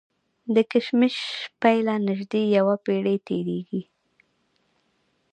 د کشمش پیله نژدې یوه پېړۍ تېرېږي.